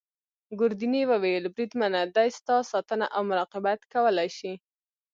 ګوردیني وویل: بریدمنه دی ستا ساتنه او مراقبت کولای شي.